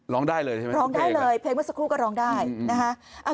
ร้องได้เลยใช่ไหมร้องได้เลยเพลงเมื่อสักครู่ก็ร้องได้นะคะ